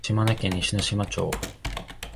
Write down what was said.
島根県西ノ島町